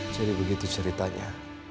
jadi begitu ceritanya